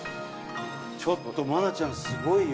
ちょっと愛菜ちゃんすごいよ。